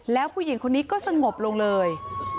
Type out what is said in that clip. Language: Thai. แล้วผู้หญิงคนนี้ก็สงบลงเลย